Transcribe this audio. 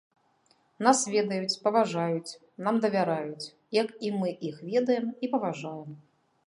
Нас ведаюць, паважаюць, нам давяраюць, як і мы іх ведаем і паважаем.